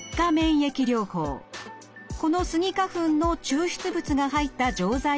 このスギ花粉の抽出物が入った錠剤を使います。